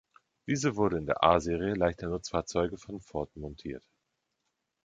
Diese wurden in die „A“-Serie leichter Nutzfahrzeuge von Ford montiert.